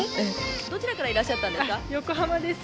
どちらからいらっしゃったん横浜です。